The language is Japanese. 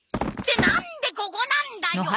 ってなんでここなんだよ！